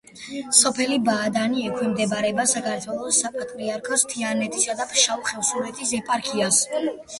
სოფელი ბადაანი ექვემდებარება საქართველოს საპატრიარქოს თიანეთისა და ფშავ-ხევსურეთის ეპარქიას.